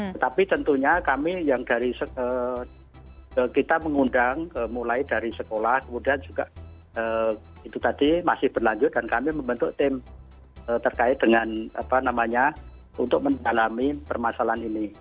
tetapi tentunya kami yang dari kita mengundang mulai dari sekolah kemudian juga itu tadi masih berlanjut dan kami membentuk tim terkait dengan apa namanya untuk mendalami permasalahan ini